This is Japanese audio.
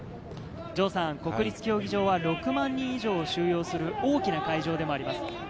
国立競技場は６万人以上を収容する大きな会場でもあります。